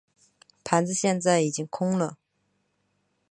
盘子现在已经空了。